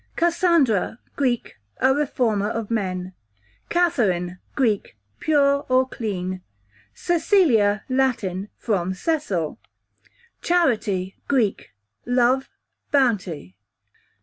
Cassandra, Greek, a reformer of men. Catherine, Greek, pure or clean. Cecilia, Latin, from Cecil. Charity, Greek, love, bounty.